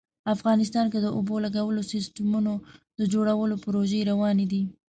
افغانستان کې د اوبو لګولو سیسټمونو د جوړولو پروژې روانې دي